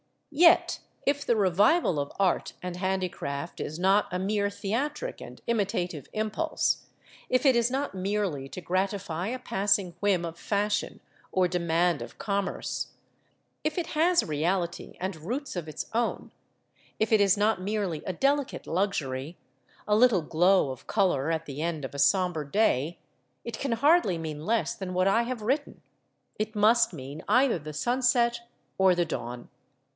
Yet if the revival of art and handicraft is not a mere theatric and imitative impulse; if it is not merely to gratify a passing whim of fashion, or demand of commerce; if it has reality and roots of its own; if it is not merely a delicate luxury a little glow of colour at the end of a sombre day it can hardly mean less than what I have written. It must mean either the sunset or the dawn.